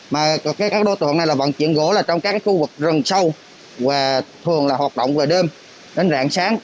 mà các đối tượng này là vận chuyển gỗ là trong các khu vực rừng sâu và thường là hoạt động về đêm đến rạng sáng